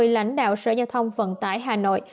lãnh đạo sở giao thông vận tải hà nội